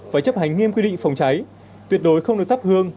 phải chấp hành nghiêm quy định phòng cháy tuyệt đối không được thắp hương